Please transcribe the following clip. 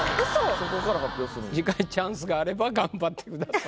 次回チャンスがあれば頑張ってください。